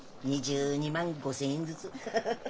２２万５，０００円ずつハハハハ。